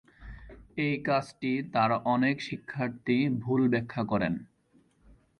এই কাজটি তাঁর অনেক শিক্ষার্থী ভুল ব্যাখ্যা করেন।